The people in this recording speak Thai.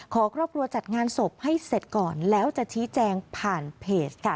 ขอครอบครัวจัดงานศพให้เสร็จก่อนแล้วจะชี้แจงผ่านเพจค่ะ